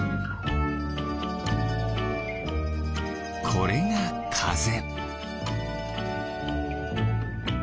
これがかぜ。